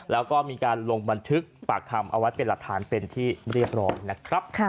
แล้วก็มีการลงบันทึกปากคำเอาไว้เป็นหลักฐานเป็นที่เรียบร้อยนะครับ